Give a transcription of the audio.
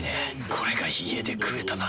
これが家で食えたなら。